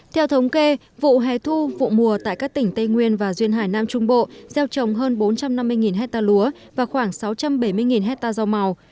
theo thống kê vụ hè thu vụ mùa tại các tỉnh tây nguyên và duyên hải nam trung bộ gieo trồng hơn bốn trăm năm mươi hectare lúa và khoảng sáu trăm bảy mươi hectare rau màu